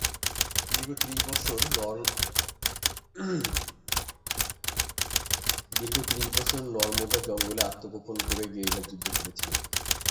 দীর্ঘ ত্রিশ বছর নর্মদা জঙ্গলে আত্মগোপন করে গেরিলা যুদ্ধ করেছেন।